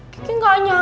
kekin gak nyangka